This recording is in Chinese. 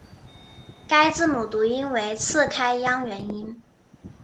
该字母读音为次开央元音。